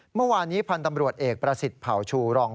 เมื่อวานนี้พันธ์ตำรวจเอกประสิทธิ์เผาชูรอง